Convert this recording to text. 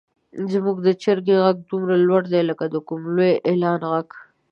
زموږ د چرګې غږ دومره لوړ دی لکه د کوم لوی اعلان غږ.